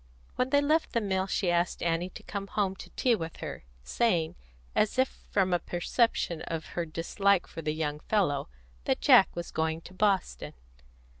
When they left the mill she asked Annie to come home to tea with her, saying, as if from a perception of her dislike for the young fellow, that Jack was going to Boston.